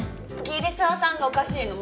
桐沢さんがおかしいの。